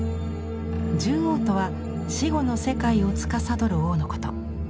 十王とは死後の世界をつかさどる王のこと。